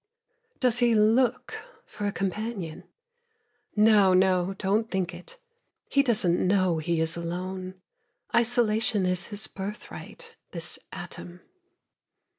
Does he look for a companion? No, no, don't think it. He doesn't know he is alone; Isolation is his birthright, This atom.